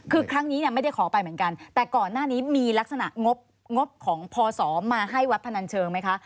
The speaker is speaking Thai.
คือครั้งนี้เนี่ยไม่ได้ขอไปเหมือนกันแต่ก่อนหน้านี้มีลักษณะงบของพศมาให้วัดพนันเชิงไหมคะ